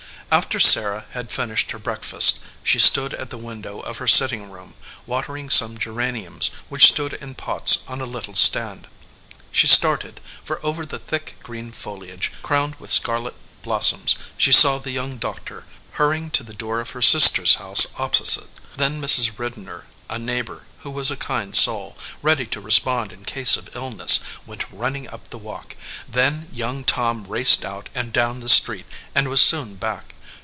After Sarah had finished her breakfast she stood at the window of her sitting room, watering some geraniums which stood in pots on a little stand. She started, for over the thick green foliage crowned with scar let blossoms she saw the young doctor hurrying to the door of her sister s house opposite. Then Mrs. W r idner, a neighbor who was a kind soul, ready to respond in case of illness, went running up the walk, then young Tom raced out and down the 18 SARAH EDGEWATER street, and was soon back.